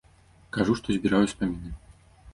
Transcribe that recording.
Кажу, што збіраю ўспаміны.